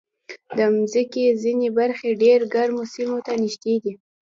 د مځکې ځینې برخې ډېر ګرمو سیمو ته نږدې دي.